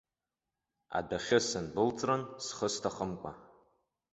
Адәахьы сындәылҵрын схы сҭахымкәа.